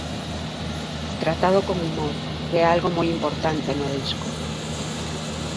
Tratado con humor, que é algo moi importante no disco.